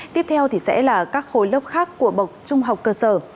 tiếp theo thì sẽ là các khối lớp khác của bậc trung học cơ sở